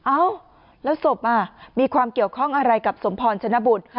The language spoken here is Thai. เอ้าแล้วศพมีความเกี่ยวข้องอะไรกับสมพรชนะบุตร